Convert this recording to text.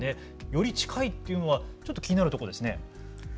より近いというのはちょっと気になるところですね。